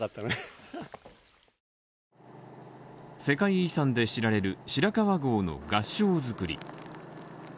世界遺産で知られる白川郷の合掌造り。